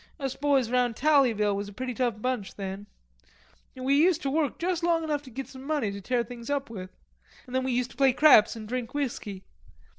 Us boys round Tallyville was a pretty tough bunch then. We used ter work juss long enough to git some money to tear things up with. An' then we used to play craps an' drink whiskey.